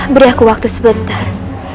beri aku waktu sebentar